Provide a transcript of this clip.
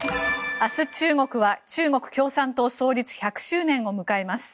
明日、中国は中国共産党創立１００周年を迎えます。